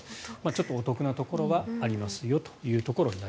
ちょっとお得なところはありますよと。